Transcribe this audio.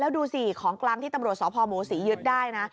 ดูสิของกลางที่ตำรวจสพหมูศรียึดได้นะ